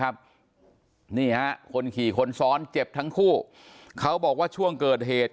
นี่ฮะคนขี่คนซ้อนเจ็บทั้งคู่เขาบอกว่าช่วงเกิดเหตุ